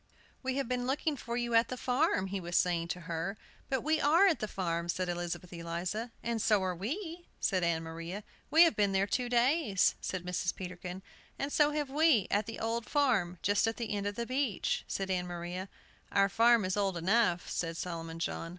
"We have been looking for you at the farm," he was saying to her. "But we are at the farm," said Elizabeth Eliza. "And so are we!" said Ann Maria. "We have been there two days," said Mrs. Peterkin. "And so have we, at the 'Old Farm,' just at the end of the beach," said Ann Maria. "Our farm is old enough," said Solomon John.